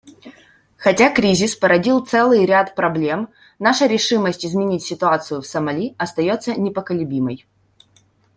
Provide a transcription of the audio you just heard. Хотя кризис породил целый ряд проблем, наша решимость изменить ситуацию в Сомали остается непоколебимой.